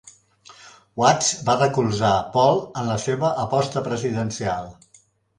Watts va recolzar Paul en la seva aposta presidencial.